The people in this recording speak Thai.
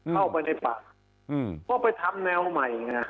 เข้าไปในป่าเพราะไปทำแนวใหม่ง่ะ